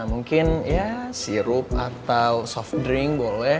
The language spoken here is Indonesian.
mungkin ya sirup atau soft drink boleh